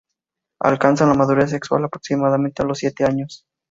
Alcanzan la madurez sexual aproximadamente a los siete años.